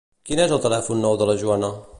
Quin és el telèfon nou de la Joana?